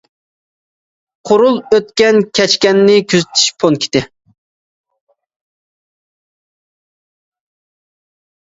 قورۇل ئۆتكەن- كەچكەننى كۆزىتىش پونكىتى.